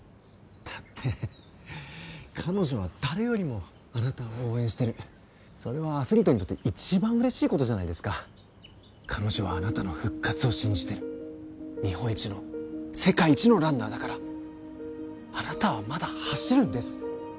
だって彼女は誰よりもあなたを応援してるそれはアスリートにとって一番嬉しいことじゃないですか彼女はあなたの復活を信じてる日本一の世界一のランナーだからあなたはまだ走るんです！